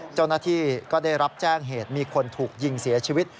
เจ้าหน้าที่ก็ได้รับแจ้งเหตุมีคนถูกยิงเสียชีวิต